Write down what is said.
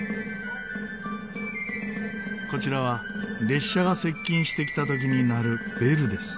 こちらは列車が接近してきた時に鳴るベルです。